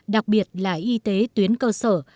đặc biệt là y tế tuyến cơ sở